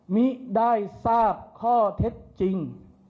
มิได้ทราบข้อเท็จจริง